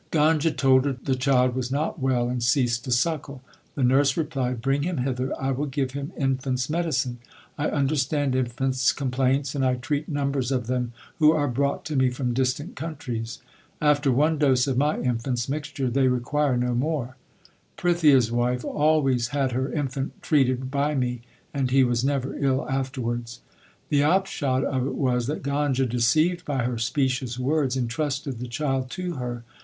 Ganga told her the child was not well and ceased to suckle. The nurse replied, Bring him hither ; I will give him infants medicine. I understand infants complaints, and I treat numbers of them who are brought to me from distant countries. After one dose of my infants mixture they require no 38 THE SIKH RELIGION more. Prithia s wife always had her infant treated by me, and he was never ill afterwards/ The upshot of it was, that Ganga, deceived by her specious words, entrusted the child to her.